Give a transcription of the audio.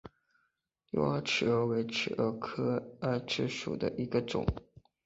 妖洱尺蛾为尺蛾科洱尺蛾属下的一个种。